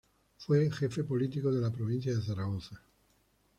Fue Jefe Político de la provincia de Zaragoza.